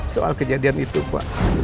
soal kejadian itu pak